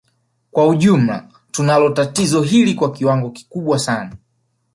Kwa ujumla tunalo tatizo hili kwa kiwango kikubwa sana